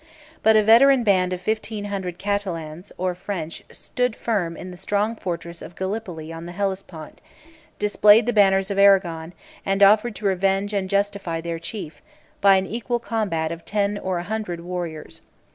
But a veteran band of fifteen hundred Catalans, or French, stood firm in the strong fortress of Gallipoli on the Hellespont, displayed the banners of Arragon, and offered to revenge and justify their chief, by an equal combat of ten or a hundred warriors.